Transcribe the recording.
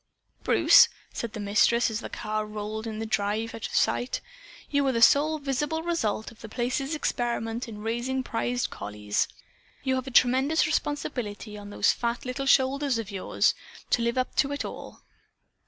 "Bruce," said the Mistress as the car rolled up the drive and out of sight, "you are the sole visible result of The Place's experiment in raising prize collies. You have a tremendous responsibility on those fat little shoulders of yours, to live up to it all."